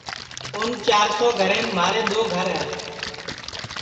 اُن چِار سو گھریم مھارے دؔو گھر ہے